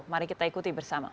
mari kita ikuti bersama